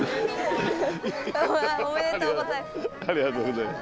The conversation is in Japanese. おめでとうございます。